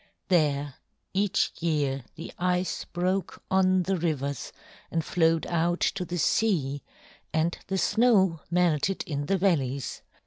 There each year the ice broke on the rivers and flowed out to the sea, and the snow melted in the valleys.